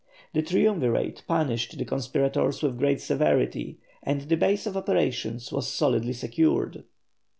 The Triumvirate punished the conspirators with great severity, and the base of operations was solidly secured.